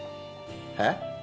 えっ？